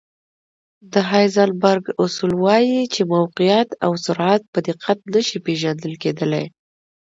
د هایزنبرګ اصول وایي چې موقعیت او سرعت په دقت نه شي پېژندل کېدلی.